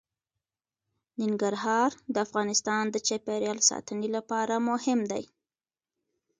ننګرهار د افغانستان د چاپیریال ساتنې لپاره مهم دي.